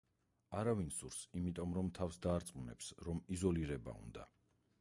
არავინ სურს, ამიტომ თავს დაარწმუნებს, რომ იზოლირება უნდა.